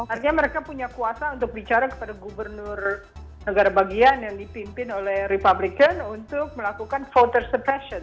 artinya mereka punya kuasa untuk bicara kepada gubernur negara bagian yang dipimpin oleh republican untuk melakukan voter sepation